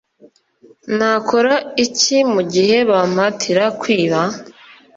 nakora iki mu gihe bampatira kwiba